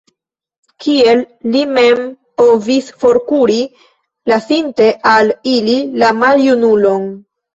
Kiel li mem povis forkuri, lasinte al ili la maljunulon?